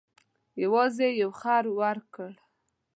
یوازې یو خر ورکړ.